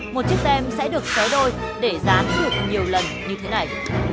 một chiếc tem sẽ được xé đôi để dán được nhiều lần như thế này